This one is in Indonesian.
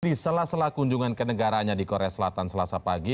di sela sela kunjungan ke negaranya di korea selatan selasa pagi